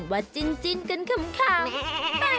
ว่าจิ้นกันขำ